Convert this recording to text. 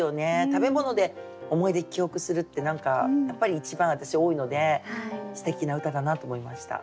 食べ物で思い出記憶するってやっぱり一番私多いのですてきな歌だなと思いました。